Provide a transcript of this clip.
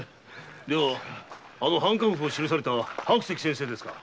ではあの「藩翰譜」を記された白石先生ですか？